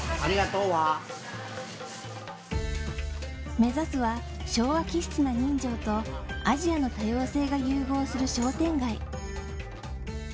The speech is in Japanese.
目指すは昭和気質な人情と、アジアの多様性が融合する商店街。